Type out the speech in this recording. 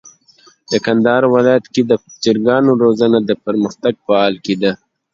د کندهار ولايت کي د چرګانو روزنه د پرمختګ په حال کي ده.